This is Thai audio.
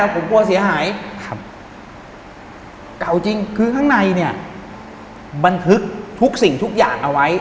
เก่าจริงคือข้างในเนี่ยบันทึกทุกสิ่งทุกอย่างเอาไว้